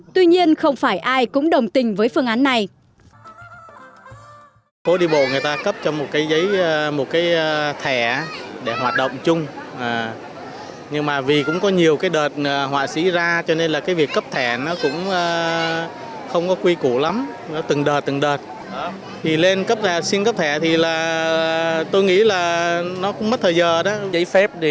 tuy nhiên không phải ai cũng đồng tình với phương án này